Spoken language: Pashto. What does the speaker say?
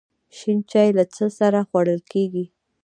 شین چای له څه سره خوړل کیږي؟